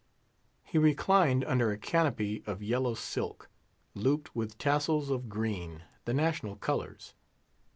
He reclined under a canopy of yellow silk, looped with tassels of green, the national colours.